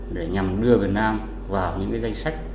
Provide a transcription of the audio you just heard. để nhằm đưa việt nam vào những danh sách